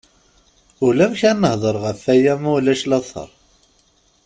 Ulamek ad nehder ɣef waya ma ulac later.